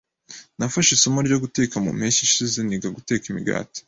Nafashe isomo ryo guteka mu mpeshyi ishize niga guteka imigati.